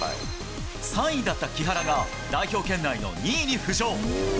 ３位だった木原が、代表圏内の２位に浮上。